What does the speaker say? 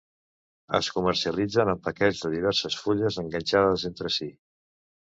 Es comercialitzen en paquets de diverses fulles enganxades entre si.